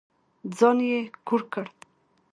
ځان يې کوڼ کړ.